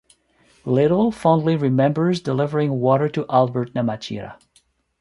Liddle fondly remembers delivering water to Albert Namatjira.